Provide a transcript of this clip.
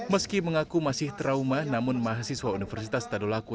meski mengaku masih trauma namun mahasiswa universitas tadulaku